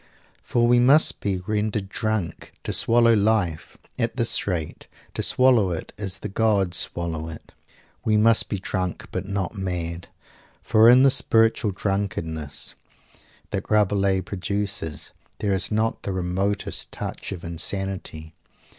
For we must be "rendered drunk" to swallow Life at this rate to swallow it as the gods swallow it. We must be drunk but not mad. For in the spiritual drunkenness that Rabelais produces there is not the remotest touch of insanity.